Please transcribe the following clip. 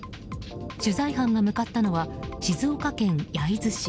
取材班が向かったのは静岡県焼津市。